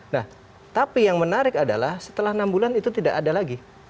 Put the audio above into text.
nah tapi yang menarik adalah setelah enam bulan itu tidak ada lagi